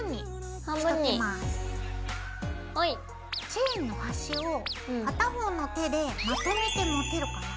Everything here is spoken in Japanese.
チェーンのはしを片方の手でまとめて持てるかな？